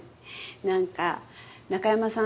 なんか中山さん